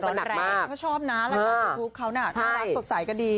เขาชอบนะแล้วกับคลิปเขาน่ะน่ารักสดใสก็ดี